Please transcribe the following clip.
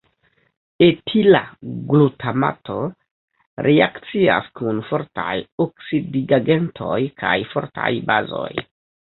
Etila glutamato reakcias kun fortaj oksidigagentoj kaj fortaj bazoj.